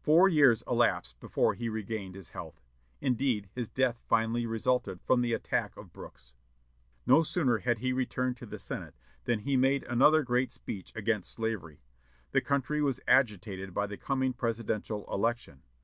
Four years elapsed before he regained his health; indeed his death finally resulted from the attack of Brooks. No sooner had he returned to the Senate than he made another great speech against slavery. The country was agitated by the coming presidential election.